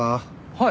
はい。